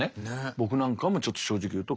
僕なんかもちょっと正直言うと。